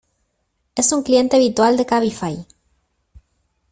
Es un cliente habitual de Cabify.